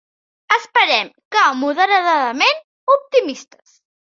Esperem que moderadament optimistes.